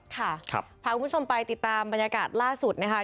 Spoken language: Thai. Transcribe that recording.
ค่ะพาคุณผู้ชมไปติดตามบรรยากาศล่าสุดนะคะ